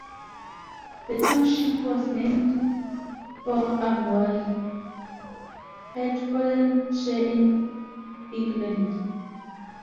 The township was named for Amwell, Hertfordshire in England.